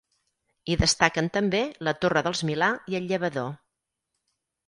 Hi destaquen també la Torre dels Milà i el llavador.